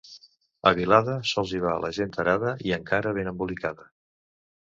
A Vilada sols hi va la gent tarada i encara ben embolicada.